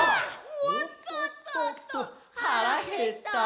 「おっとっとっとはらへった」